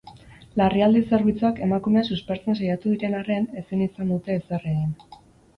Larrialdi-zerbitzuak emakumea suspertzen saiatu diren arren, ezin izan dute ezer egin.